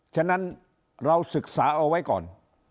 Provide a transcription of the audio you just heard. ฉะนั้นเราศึกษาเอาไว้ก่อน